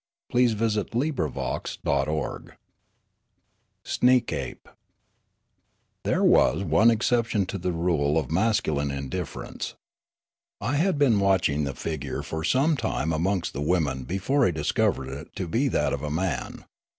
/Q IJ ©1^; '^^.^'^' QM^f§>^' CHAPTER XVI SNEEKAPE THERE was one exception to the rule of masculine indifference. I had been watching the figure for some time amongst the women before I discovered it to be that of a man.